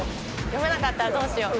読めなかったらどうしよう。